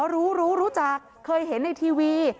รู้รู้รู้จักเคยเห็นในทีวี